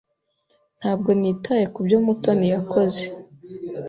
Ntabwo nitaye kubyo Mutoni yakoze.